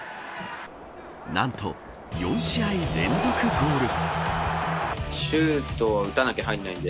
何と４試合連続ゴール。